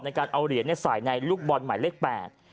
ในการเอาเหรียญใส่ในลูกบอลใหม่เลข๘